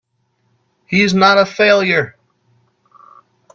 He's not a failure!